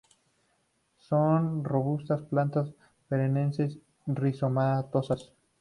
Son robustas plantas perennes; rizomatosas.